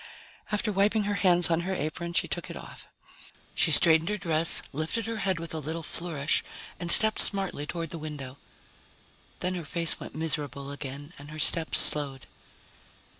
After wiping her hands on her apron, she took it off. She straightened her dress, lifted her head with a little flourish, and stepped smartly toward the window. Then her face went miserable again and her steps slowed.